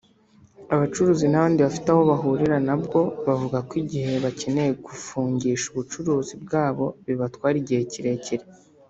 Abacuruzi n’abandi bafite aho bahurira na bwo bavuga ko igihe bakeneye gufungisha ubucuruzi bwabo bibatwara igihe kirekire